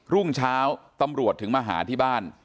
รุ่งเช้าตำรวจถึงมาหาที่บ้าน